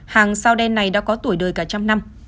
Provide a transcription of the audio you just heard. hàng sao đen này đã có tuổi đời cả trăm năm